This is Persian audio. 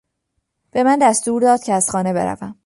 به من دستور داد که از خانه بروم.